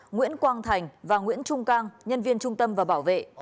nguyễn quang thành và nguyễn trung cang nhân viên trung tâm và bảo vệ